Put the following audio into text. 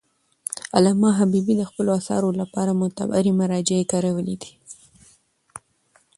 علامه حبیبي د خپلو اثارو لپاره معتبري مراجع کارولي دي.